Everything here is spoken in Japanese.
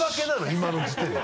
今の時点で。